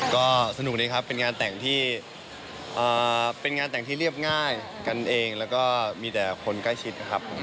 ก็สนุกดีครับเป็นงานแต่งที่เรียบง่ายกันเองแล้วก็มีแต่คนใกล้ชิดครับ